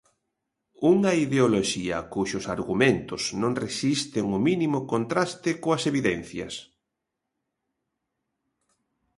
Unha ideoloxía cuxos argumentos non resisten o mínimo contraste coas evidencias.